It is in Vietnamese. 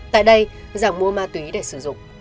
tại đây giảng mua ma túy để sử dụng